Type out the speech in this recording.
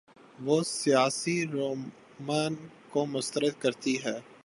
وہ سیاسی رومان کو مسترد کرتی ہے۔